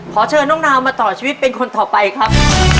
ขอเชิญน้องนาวมาต่อชีวิตเป็นคนต่อไปครับ